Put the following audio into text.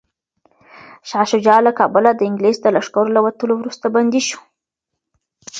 شاه شجاع له کابله د انګلیس د لښکر له وتلو وروسته بندي و.